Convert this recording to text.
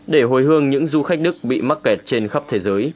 để hồi hương những du khách đức bị mắc kẹt trên khắp thế giới